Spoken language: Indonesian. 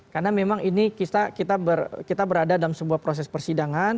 karena memang ini kita berada dalam sebuah proses persidangan